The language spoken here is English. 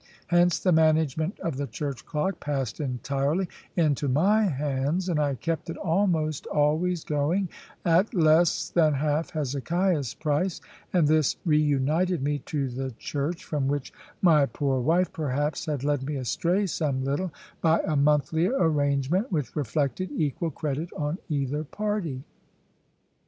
Hence the management of the church clock passed entirely into my hands, and I kept it almost always going, at less than half Hezekiah's price; and this reunited me to the Church (from which my poor wife perhaps had led me astray some little), by a monthly arrangement which reflected equal credit on either party.